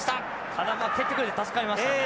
ただまあ蹴ってくれて助かりましたね